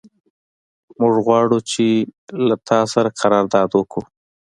موږ غواړو چې له تا سره قرارداد وکړو.